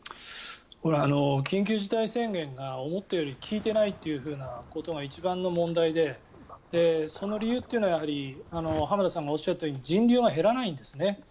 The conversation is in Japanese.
緊急事態宣言が思ったより効いていないということが一番の問題でその理由というのは浜田さんがおっしゃったように人流が減らないんですね。